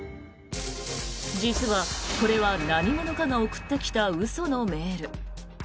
実は、これは何者かが送ってきた嘘のメール。